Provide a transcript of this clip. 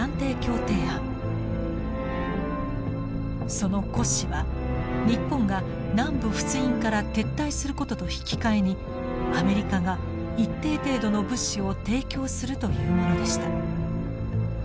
その骨子は日本が南部仏印から撤退することと引き換えにアメリカが一定程度の物資を提供するというものでした。